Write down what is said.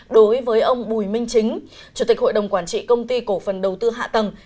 đối với ông bùi minh chính chủ tịch hội đồng quản trị công ty cổ phần đầu tư hạ tầng